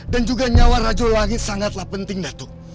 dan juga nyawa rajo langit sangatlah penting datuk